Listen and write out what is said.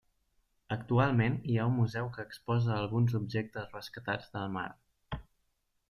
Actualment hi ha un museu que exposa alguns objectes rescatats del mar.